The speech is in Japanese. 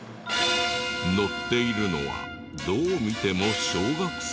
乗っているのはどう見ても小学生。